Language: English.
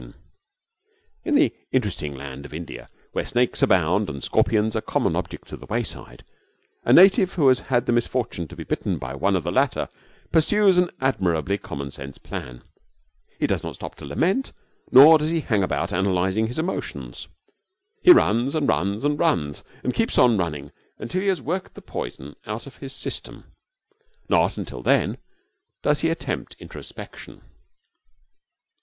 16 In the interesting land of India, where snakes abound and scorpions are common objects of the wayside, a native who has had the misfortune to be bitten by one of the latter pursues an admirably common sense plan. He does not stop to lament, nor does he hang about analysing his emotions. He runs and runs and runs, and keeps on running until he has worked the poison out of his system. Not until then does he attempt introspection.